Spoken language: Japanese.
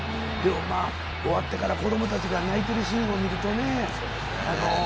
でも終わってから子供たちが泣いているシーンを見るとね。